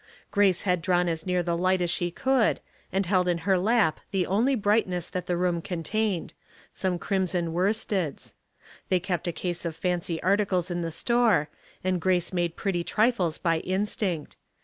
Grace had drawn as near the light as she could, and held in her lap the only brightness that the room contained — some crimson worsteds. They kept a case of fancy articles in th^ store, and Grace made pretty trifles by instinct.